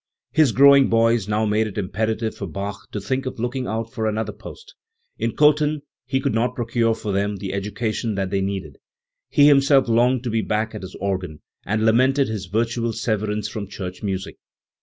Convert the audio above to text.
His growing boys now made it imperative for Bach to think of looking out for another post. In Cothen he could not procure for them the education that they needed. He himself longed to be back at his organ, and lamented his virtual severance from church music.